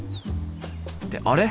ってあれ！？